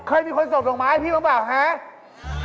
เคยมีคนส่งดอกไม้ให้พี่บ้างไปหรือ